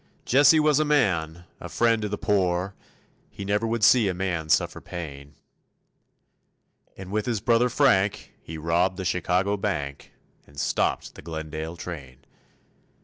Jesse was a man, a friend to the poor, He never would see a man suffer pain; And with his brother Frank he robbed the Chicago bank, And stopped the Glendale train.